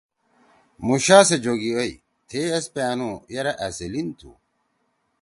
موشا سے جوگی اَئی۔ تھیئے ایس پیانُو یرأ أ سے لین تُھو۔